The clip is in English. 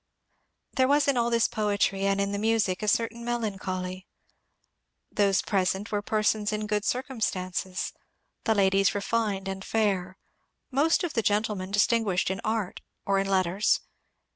There was in all this poetry and in the music a certain melancholy. Those present were persons in good circum stances, the ladies refined and fair, most of the gentlemen distinguished in art or in letters.